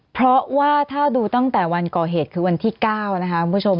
เพราะว่าถ้าดูตั้งแต่วันก่อเหตุคือวันที่๙นะคะคุณผู้ชม